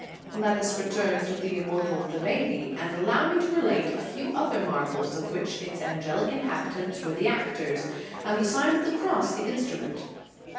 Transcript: Let us return to the immortal Thebaide, and allow me to relate a few other marvels of which its angelic inhabitants were the actors, and the Sign of the Cross the instru ment.